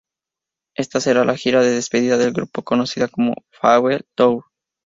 Esta será la gira de despedida del grupo, conocida como "Farewell Tour".